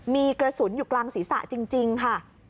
มีกระสุนอยู่กลางศีรษะจริงค่ะ